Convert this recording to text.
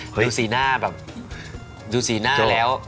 สีหน้าแบบดูสีหน้าแล้ว